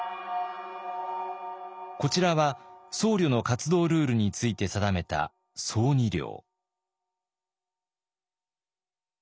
こちらは僧侶の活動ルールについて定めた僧尼令。